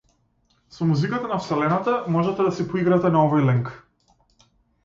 Со музиката на вселената можете да си поиграте на овој линк.